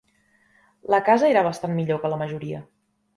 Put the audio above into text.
La casa era bastant millor que la majoria.